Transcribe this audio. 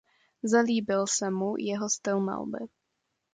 Zalíbil se mu jeho styl malby.